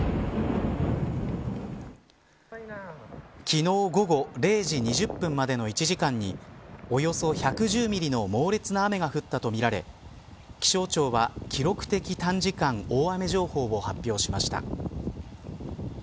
昨日午後０時２０分までの１時間におよそ１１０ミリの猛烈な雨が降ったとみられ気象庁は、記録的短時間大雨情報を発表しました。